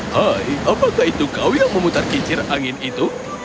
hai apakah itu kau yang memutar pincir angin itu